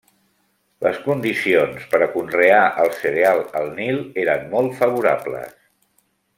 Les condicions per a conrear el cereal al Nil eren molt favorables.